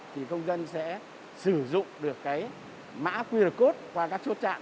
thì công dân sẽ sử dụng được mã qr code qua các chốt trạng